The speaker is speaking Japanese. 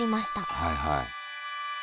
はいはい。